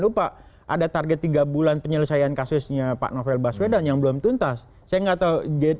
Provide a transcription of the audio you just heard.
lupa ada target tiga bulan penyelesaian kasusnya pak novel baswedan yang belum tuntas saya enggak tahu